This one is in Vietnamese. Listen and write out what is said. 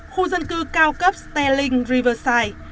khu dân cư cao cấp sterling riverside